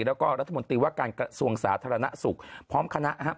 แล้วก็รัฐมนตรีว่าการกระทรวงสาธารณสุขพร้อมคณะนะครับ